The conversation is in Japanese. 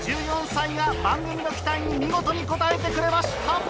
１４歳が番組の期待に見事に応えてくれました！